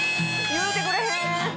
言うてくれへん！」